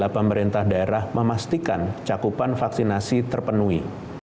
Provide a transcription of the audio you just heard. pemerintah daerah memastikan cakupan vaksinasi terpenuhi